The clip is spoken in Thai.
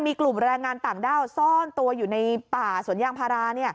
มีกลุ่มแรงงานต่างด้าวซ่อนตัวอยู่ในป่าสวนยางพารา